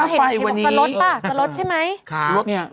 ค่าไฟวันนี้เขาเห็นบอกตัวลดป่ะกับลดใช่ไหม